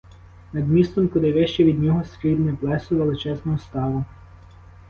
Над містом, куди вище від нього, срібне плесо величезного ставу.